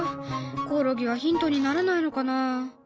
コオロギはヒントにならないのかな。